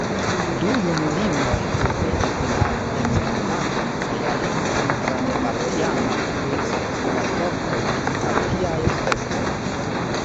Du junulinoj kulpigis la vicgvidanton kaj alian centran partianon pri seksperforto dum partiaj festoj.